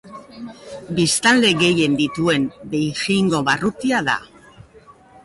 Biztanle gehien dituen Beijingo barrutia da.